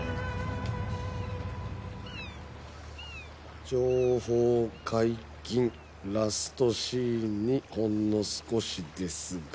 「情報解禁」「ラストシーンにほんの少しですが」